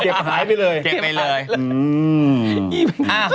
เก็บหายไปเลยแล้วอืม